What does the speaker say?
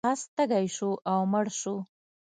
اس تږی شو او مړ شو.